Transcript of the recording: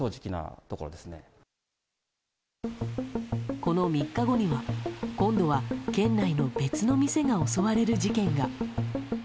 この３日後には、今度は県内の別の店が襲われる事件が。